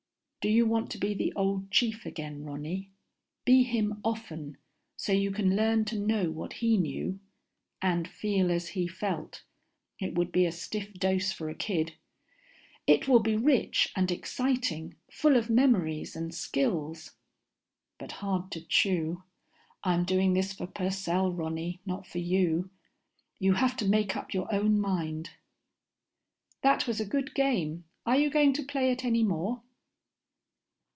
_Do you want to be the old chief again, Ronny? Be him often, so you can learn to know what he knew? (And feel as he felt. It would be a stiff dose for a kid.) It will be rich and exciting, full of memories and skills. (But hard to chew. I'm doing this for Purcell, Ronny, not for you. You have to make up your own mind.)_ "That was a good game. Are you going to play it any more?"